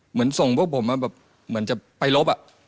เหมือนส่งพวกผมแบบเหมือนจะไปรบอะ